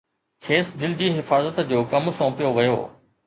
کيس دل جي حفاظت جو ڪم سونپيو ويو